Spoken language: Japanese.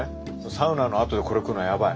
サウナのあとでこれ食うのはやばい。